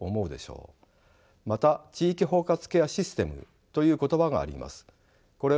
また地域包括ケアシステムという言葉があります。